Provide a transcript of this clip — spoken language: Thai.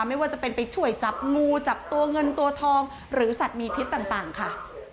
ไม่ว่าจะเป็นไปช่วยจับงูจับตัวเงินตัวทองหรือสัตว์มีพิษต่างค่ะ